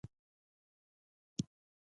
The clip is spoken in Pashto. لږ به دې کړی و دخپلې پیرزوینې نظر